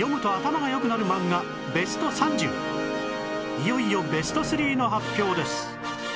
いよいよベスト３の発表です